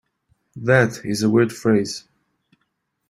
That is a weird phrase.